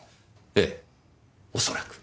ええ恐らく。